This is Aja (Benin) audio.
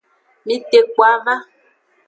Mitekpo ava.